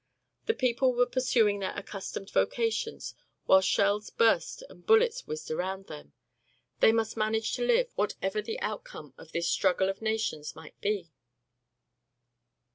The people were pursuing their accustomed vocations while shells burst and bullets whizzed around them. They must manage to live, whatever the outcome of this struggle of nations might be.